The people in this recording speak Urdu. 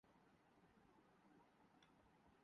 تنہا رہنا چاہتا ہوں